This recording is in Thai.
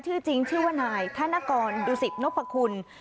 ชื่อจริงชื่อว่านายธนกรดูสิตนพคุณ